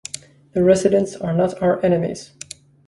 The residents are not our enemies.